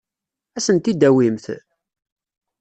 Ad asen-t-id-tawimt?